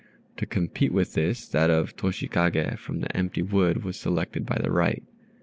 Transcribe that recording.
To compete with this, that of "Toshikagè," from "The Empty Wood," was selected by the right.